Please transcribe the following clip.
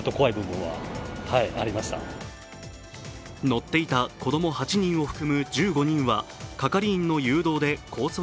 乗っていた子供８人を含む１５人は係員の誘導でコース